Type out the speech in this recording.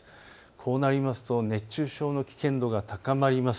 こうなりますと熱中症の危険度が高まります。